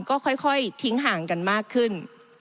ก็ค่อยทิ้งห่างกันมากขึ้น